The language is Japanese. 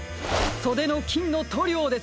そでのきんのとりょうです！